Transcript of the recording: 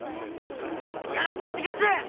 やなぽってかす！